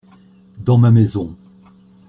Dans ma maison.